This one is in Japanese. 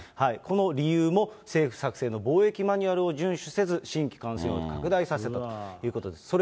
この理由も、政府作成の防疫マニュアルを順守せず、新規感染を拡大させたということです。